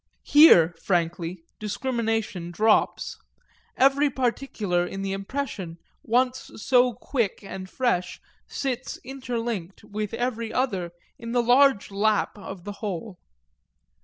Here, frankly, discrimination drops every particular in the impression once so quick and fresh sits interlinked with every other in the large lap of the whole.